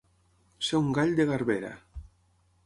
Ser un gall de garbera.